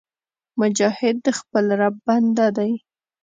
مجاهد د خپل رب بنده دی